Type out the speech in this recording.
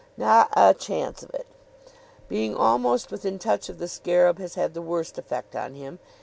"Not a chance of it. Being almost within touch of the scarab has had the worst effect on him.